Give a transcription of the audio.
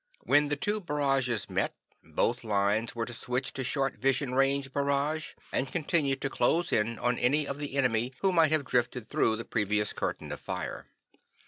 When the two barrages met, both lines were to switch to short vision range barrage and continue to close in on any of the enemy who might have drifted through the previous curtain of fire.